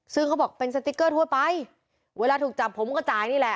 ซึ่งเขาบอกเป็นสติ๊กเกอร์ทั่วไปเวลาถูกจับผมก็จ่ายนี่แหละ